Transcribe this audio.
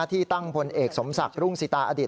ที่ตั้งพลเอกสมศักดิ์รุ่งสิตาอดีต